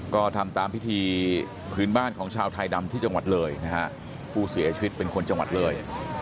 ก็ทำตามพิธีพื้นบ้านของชาวไทยดำที่จังหวัดเลยนะฮะผู้เสียชีวิตเป็นคนจังหวัดเลย